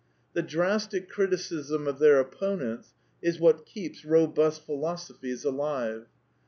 The drastic criti cism of their opponents is what keeps robust philosophies alive.